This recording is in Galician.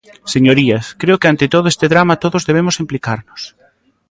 Señorías, creo que ante todo este drama todos debemos implicarnos.